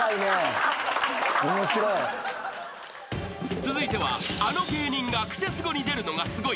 ［続いては「あの芸人が『クセスゴ』に出るのがすごい」］